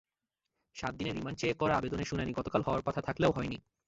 সাত দিনের রিমান্ড চেয়ে করা আবেদনের শুনানি গতকাল হওয়ার কথা থাকলেও হয়নি।